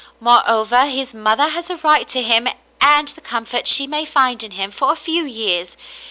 Moreover, his mother has a right to him and the comfort she may find in him for a few years.